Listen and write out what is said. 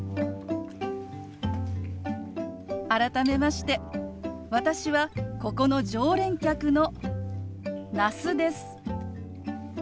改めまして私はここの常連客の那須です。